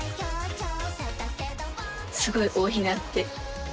すごい多いなって。